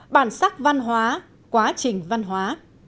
bản sắc văn hóa quá trình văn hóa